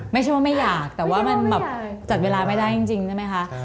ไม่ใช่ว่าไม่อยากแต่ว่ามันแบบจัดเวลาไม่ได้จริงใช่ไหมคะ